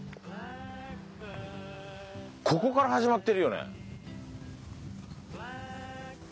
ここから始まってるよね？